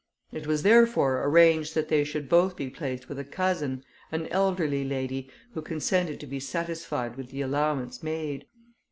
It was therefore arranged that they should both be placed with a cousin, an elderly lady, who consented to be satisfied with the allowance made.